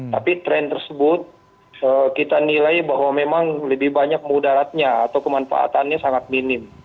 tapi tren tersebut kita nilai bahwa memang lebih banyak mudaratnya atau kemanfaatannya sangat minim